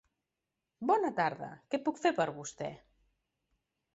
Bona tarda, què puc fer per vostè.